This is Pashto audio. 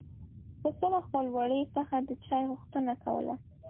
پسه له خپل وړي څخه د چای غوښتنه کوله.